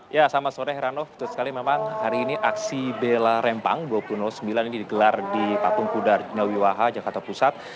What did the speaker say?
ya selamat sore heranov betul sekali memang hari ini aksi abela rempang dua ratus sembilan ini digelar di patungkuda arjunawiwaha jatapusat